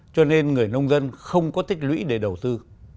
cho nên người nông dân không có tích lũy để đầu tư